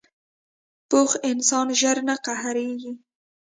پوخ انسان ژر نه قهرېږي